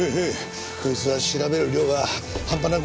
こいつは調べる量が半端なく多いな。